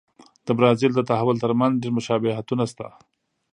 د برازیل د تحول ترمنځ ډېر مشابهتونه شته.